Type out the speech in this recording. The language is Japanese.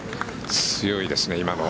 強いですね、今の。